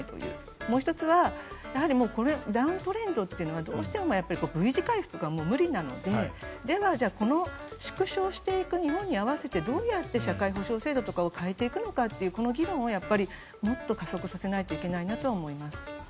もう１つはやはりダウントレンドというのはどうしてもＶ字回復はもう無理なのででは、この縮小していく日本に合わせてどうやって社会保障制度とかを変えていくのかってこの議論をもっと加速させないといけないなと思います。